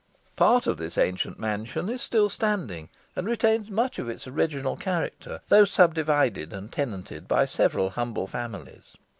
Part of this ancient mansion is still standing, and retains much of its original character, though subdivided and tenanted by several humble families.